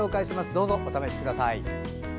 どうぞお試しください。